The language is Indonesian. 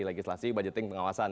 legislasi budgeting pengawasan